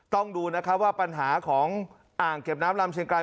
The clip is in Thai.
ต้องดูนะครับว่าปัญหาของอ่างเก็บน้ำลำเชียงไกร